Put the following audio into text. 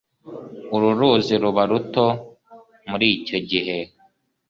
Uru ruzi ruba ruto muri icyo gihe.